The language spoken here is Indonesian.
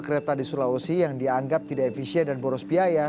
kereta di sulawesi yang dianggap tidak efisien dan boros biaya